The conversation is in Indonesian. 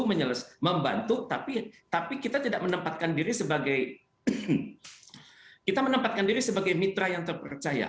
tapi kita tidak menempatkan diri sebagai mitra yang terpercaya